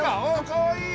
かわいい。